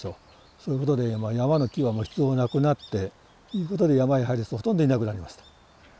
そういうことで山の木は必要なくなってということで山へ入る人ほとんどいなくなりました。